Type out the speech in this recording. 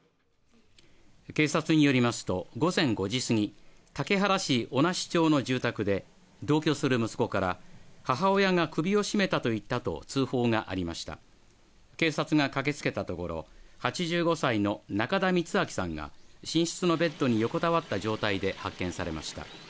警察によりますと午前５時過ぎ竹原市小梨町の住宅で同居する息子から母親が首を絞めたと言ったと通報がありました警察が駆けつけたところ８５歳の中田光昭さんが寝室のベッドに横たわった状態で発見されました